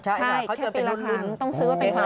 ใช่เขาจะเป็นรุ่นต้องซื้อว่าเป็นรุ่นใช่เลย